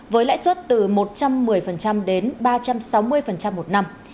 với lãi suất từ một trăm một mươi đến ba trăm sáu mươi một năm